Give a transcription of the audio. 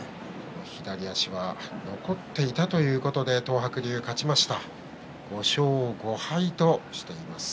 左足残っていたということで東白龍、勝ちました。